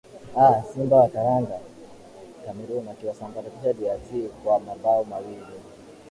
aa simba wa taranga cameroon wakiwasambaratisha drc congo kwa mabao mawili